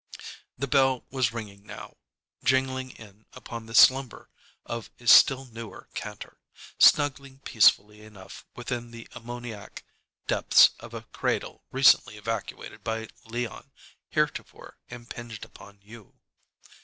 This bell was ringing now, jingling in upon the slumber of a still newer Kantor, snuggling peacefully enough within the ammoniac depths of a cradle recently evacuated by Leon, heretofore impinged upon you.